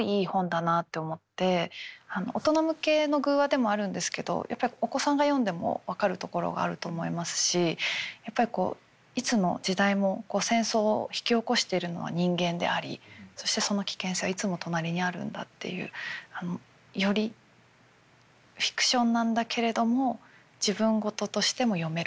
大人向けの寓話でもあるんですけどやっぱりお子さんが読んでも分かるところがあると思いますしやっぱりこういつの時代も戦争を引き起こしているのは人間でありそしてその危険性はいつも隣にあるんだっていうよりフィクションなんだけれども自分事としても読めるという。